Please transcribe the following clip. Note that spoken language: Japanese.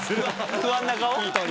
不安な顔？